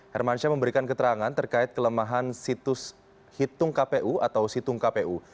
hermansyah memberikan keterangan terkait kelemahan situs hitung kpu atau situng kpu